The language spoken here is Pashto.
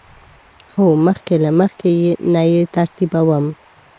هو، مخکې له مخکی نه یی ترتیبوم